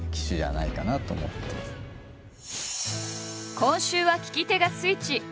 今週は聞き手がスイッチ。